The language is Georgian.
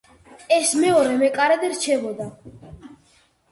ის მეორე მეკარედ რჩებოდა.